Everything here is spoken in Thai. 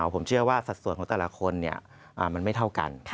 ผมเชื่อว่าสัดส่วนของแต่ละคนมันไม่เท่ากัน